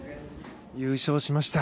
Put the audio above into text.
優勝しました。